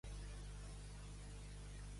Per mal art.